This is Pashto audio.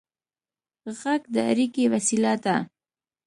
غږ د اړیکې وسیله ده.